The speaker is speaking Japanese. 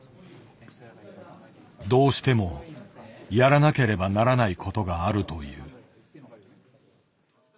どうしてもやらなければならないことがあるという。